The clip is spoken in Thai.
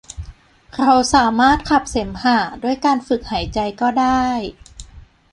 เราสามารถขับเสมหะด้วยการฝึกหายใจก็ได้